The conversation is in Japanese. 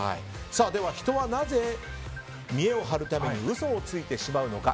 では、人はなぜ見栄を張るために嘘をついてしまうのか。